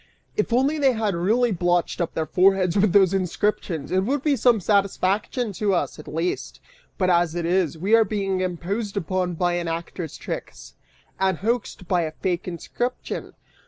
If only they had really blotched up their foreheads with those inscriptions, it would be some satisfaction to us, at least; but as it is, we are being imposed upon by an actor's tricks, and hoaxed by a fake inscription!"